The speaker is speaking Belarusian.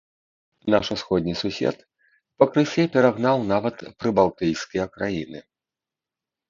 Наш усходні сусед пакрысе перагнаў нават прыбалтыйскія краіны.